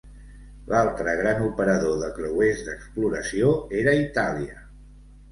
L'altre gran operador de creuers d'exploració era Itàlia.